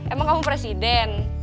emang kamu presiden